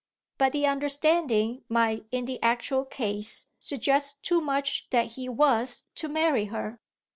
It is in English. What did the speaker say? But the understanding might in the actual case suggest too much that he was to marry her.